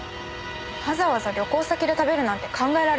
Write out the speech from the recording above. わざわざ旅行先で食べるなんて考えられません。